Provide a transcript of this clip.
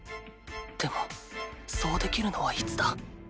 でもそうできるのはいつだ？